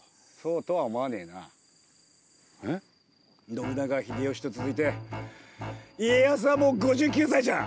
信長秀吉と続いて家康はもう５９歳じゃ。